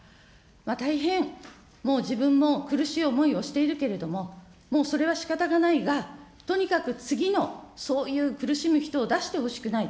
大変、もう自分も苦しい思いをしているけれども、もうそれはしかたがないが、とにかく次のそういう苦しむ人を出してほしくない。